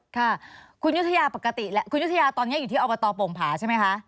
ค่ะคุณยุทธยาตอนนี้อยู่ที่อวบตปงผาใช่ไหมคะ